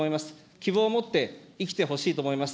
希望を持って生きてほしいと思います。